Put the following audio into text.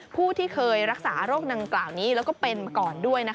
ผู้ที่เคยรักษาโรคดังกล่าวนี้แล้วก็เป็นมาก่อนด้วย